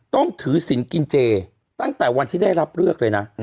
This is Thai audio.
ต้องถือศิลป์กินเจตั้งแต่วันที่ได้รับเลือกเลยนะ